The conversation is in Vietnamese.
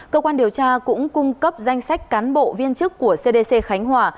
cơ quan điều tra cũng cung cấp danh sách cán bộ viên chức của cdc khánh hòa